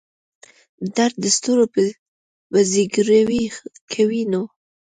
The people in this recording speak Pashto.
د درد دستور به زګیروی کوي نو.